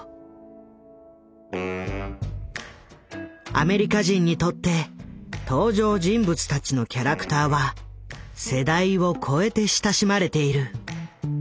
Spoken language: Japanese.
アメリカ人にとって登場人物たちのキャラクターは世代を超えて親しまれている。